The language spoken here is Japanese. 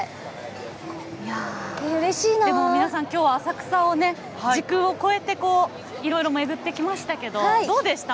でも皆さん今日は浅草、時空を超えていろいろ巡ってきましたけどどうでしたか？